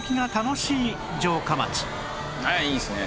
あいいですね。